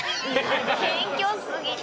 謙虚すぎて。